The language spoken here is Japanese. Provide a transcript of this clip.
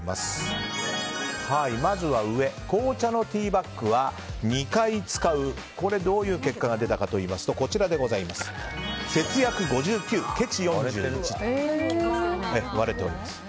まずは紅茶のティーバッグは２回使う、これはどういう結果が出たかというと節約５９、けち４１。割れております。